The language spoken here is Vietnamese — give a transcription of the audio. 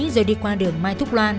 rồi đi qua đường mai thúc loan